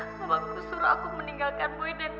mamaku suruh aku meninggalkan boyden